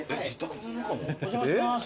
お邪魔します。